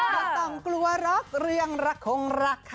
ไม่ต้องกลัวหรอกเรื่องระคงรักค่ะ